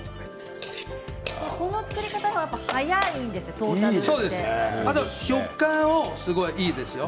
この作り方はやっぱり早いですね。